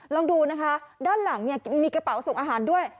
ลองดูนะคะด้านหลังเนี่ยมีกระเป๋าส่งอาหารด้วย